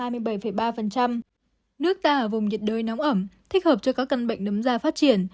nước ta ở vùng nhiệt đới nóng ẩm thích hợp cho các căn bệnh nấm da phát triển